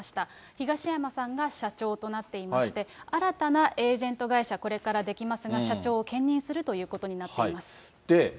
東山さんが社長となっていまして、新たなエージェント会社、これから出来ますが、社長を兼任するということになっています。